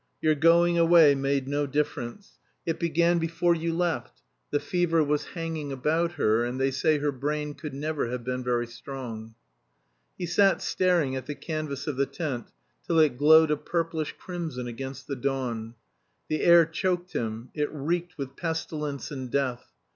Your going away made no difference. It began before you left the fever was hanging about her; and they say her brain could never have been very strong." He sat staring at the canvas of the tent till it glowed a purplish crimson against the dawn. The air choked him; it reeked with pestilence and death.